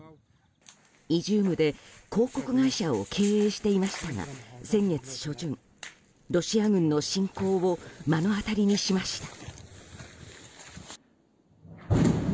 イジュームで広告会社を経営していましたが先月初旬、ロシア軍の侵攻を目の当たりにしました。